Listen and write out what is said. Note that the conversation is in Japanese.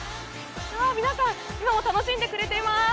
皆さん今も楽しんでくれています。